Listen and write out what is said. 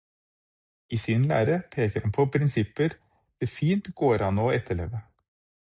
I sin lære peker han på prinsipper det fint går an å etterleve.